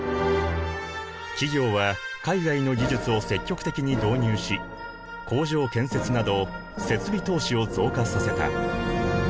企業は海外の技術を積極的に導入し工場建設など設備投資を増加させた。